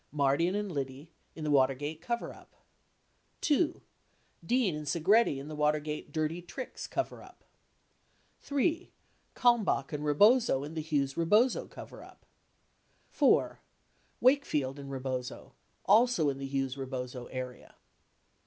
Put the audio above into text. Mardian and Liddy in the Watergate coverup; 2. Dean and Segretti in the Watergate dirty tricks cover up ; 3. Kalmbach and Robozo in the Hughes Rebozo coverup ; 4. Wakefield and Rebozo, also in the Hughes Rebozo area.